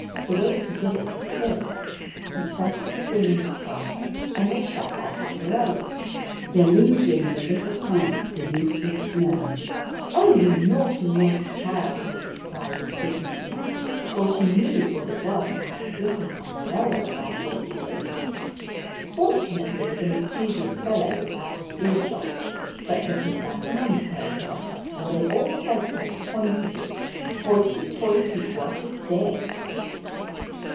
The way he did it was this, he pressed a spring in the trunk and they shut like umbrellas, deluging the little plants beneath with snow. "Oh, you naughty, naughty child!" Maimie cried indignantly, for she knew what it was to have a dripping umbrella about your ears. Fortunately the mischievous fellow was out of earshot, but the chrysanthemums heard her, and they all said so pointedly "Hoity toity, what is this?"